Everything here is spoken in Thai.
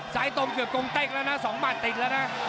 ซ้ายตรงเกือบกงแต๊กแล้วนะสองมัดติดแล้วนะ